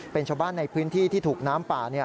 เป็นชาวบ้านในพื้นที่ที่ถูกน้ำป่า